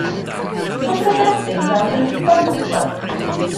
Ond roedd y robin i weld yn ddigon bodlon.